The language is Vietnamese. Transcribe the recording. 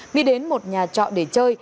mỹ đến một nhà trọ để chơi